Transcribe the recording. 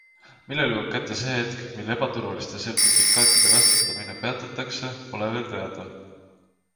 Millal jõuab kätte see hetk, mil ebaturvaliste sertifikaatide kasutamine peatatakse, pole veel teada.